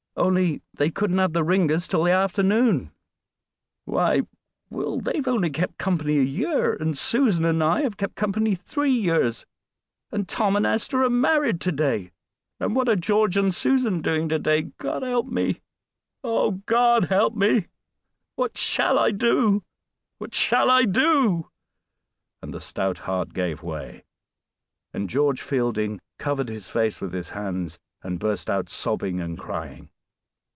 Only they couldn't have the ringers till the afternoon." "Why, Will, they have only kept company a year, and Susan and I have kept company three years; and Tom and Esther are married to day; and what are George and Susan doing to day? God help me! Oh, God help me! What shall I do? what shall I do?" And the stout heart gave way, and George Fielding covered his face with his hands and burst out sobbing and crying.